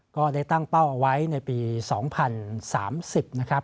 ก็ได้ตั้งเป้าเอาไว้ในปี๒๐๓๐นะครับ